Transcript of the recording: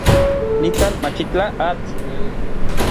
Nikan machitlaj atl.